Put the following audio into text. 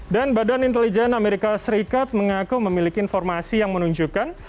dan badan intelijen amerika serikat mengaku memiliki informasi yang menunjukkan